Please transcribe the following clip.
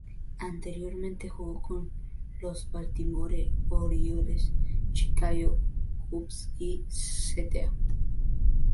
Anteriormente jugó con los Baltimore Orioles, Chicago Cubs y St.